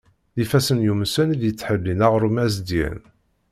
D ifassen yumsen, i d-yettḥellin aɣrum azedyan.